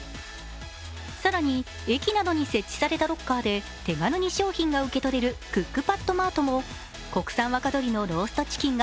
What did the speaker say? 更に、駅などに設置されたロッカーで手軽に商品が受け取れるクックパッドマートも国産若鶏のローストチキンが